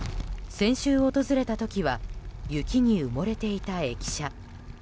先週訪れた時は雪に埋もれていた駅舎。